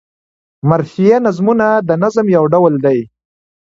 مرثیه نظمونه د نظم یو ډول دﺉ.